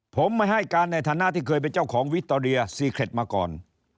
ผมไม่ให้การในฐานะที่เคยเป็นเจ้าของวิคโตเรียซีเครดมาก่อน